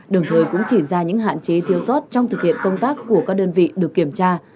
đồng thời cũng chỉ ra những hạn chế thiêu sót trong thực hiện công tác của các đơn vị được kiểm tra